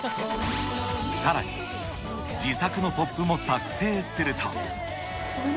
さらに自作のＰＯＰも作成すると。